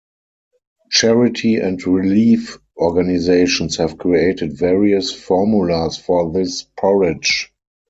Charity and relief organizations have created various formulas for this porridge.